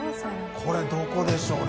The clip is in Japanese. これどこでしょうね？